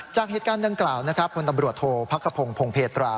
จากเหตุการณ์ดังกล่าวนะครับพลตำรวจโทษพักกระพงพงเพตรา